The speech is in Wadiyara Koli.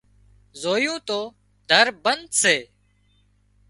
زويون تو در بند سي